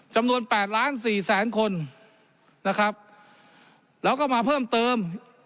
แปดล้านสี่แสนคนนะครับแล้วก็มาเพิ่มเติม